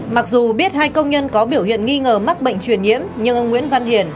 mặc dù biết hai công nhân có biểu hiện nghi ngờ mắc bệnh truyền nhiễm nhưng ông nguyễn văn hiền